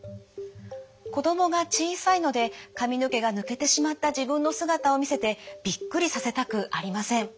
子どもが小さいので髪の毛が抜けてしまった自分の姿を見せてびっくりさせたくありません。